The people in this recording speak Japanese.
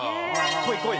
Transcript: こいこい！